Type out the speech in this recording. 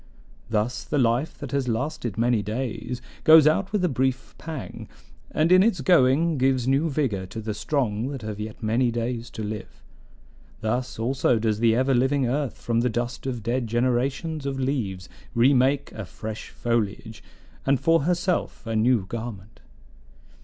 Thus the life that has lasted many days goes out with a brief pang, and in its going gives new vigor to the strong that have yet many days to live. Thus also does the ever living earth from the dust of dead generations of leaves re make a fresh foliage, and for herself a new garment.